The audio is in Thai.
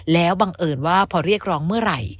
แล้วบังเอิญว่าพอเรียกร้องเมื่อไหร่